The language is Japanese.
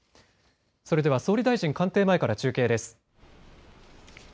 それでは総理大臣官邸前から中継です。